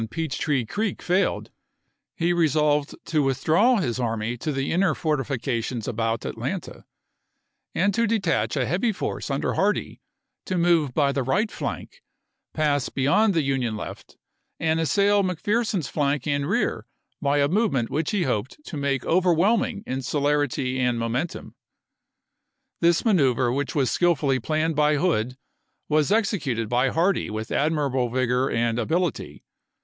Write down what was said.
Peach Tree Creek failed, he resolved to withdraw his army to the inner fortifications about Atlanta, and to detach a heavy force under Hardee to move by the right flank, pass beyond the Union left, and assail McPherson's flank and rear by a movement which he hoped to make overwhelming in celerity and momentum. This manoeuvre which was skill fully planned by Hood was executed by Hardee with admirable vigor and ability.